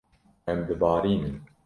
Em dibarînin.